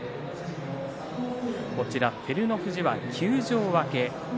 照ノ富士、休場明け。